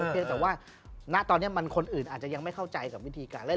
เพียงแต่ว่าณตอนนี้คนอื่นอาจจะยังไม่เข้าใจกับวิธีการเล่น